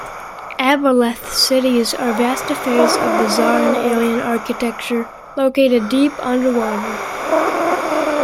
Aboleth cities are vast affairs of bizarre and alien architecture, located deep underwater.